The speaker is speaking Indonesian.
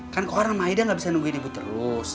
kan kohar sama aida gak bisa nungguin ibu terus